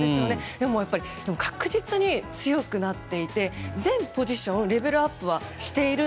でも、確実に強くなっていて全ポジションレベルアップはしていて。